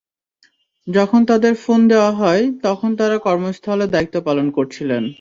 যখন তাঁদের ফোন দেওয়া হয়, তখন তাঁরা কর্মস্থলে দায়িত্ব পালন করছিলেন।